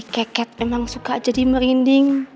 keket memang suka jadi merinding